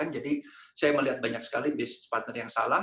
jadi saya melihat banyak sekali partner bisnis yang salah